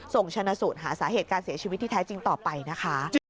ส่งชนะสูตรหาสาเหตุการเสียชีวิตที่แท้จริงต่อไปนะคะ